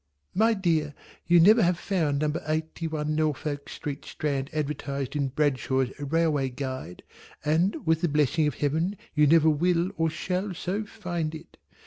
My dear, you never have found Number Eighty one Norfolk Street Strand advertised in Bradshaw's Railway Guide, and with the blessing of Heaven you never will or shall so find it.